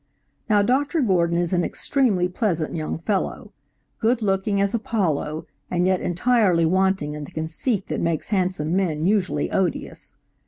Now Dr. Gordon is an extremely pleasant young fellow, good looking as Apollo and yet entirely wanting in the conceit that makes handsome men usually odious.